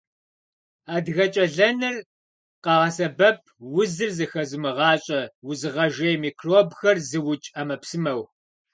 Адыгэкӏэлэныр къагъэсэбэп узыр зэхозымыгъащӏэ, узыгъэжей, микробхэр зыукӏ ӏэмэпсымэу.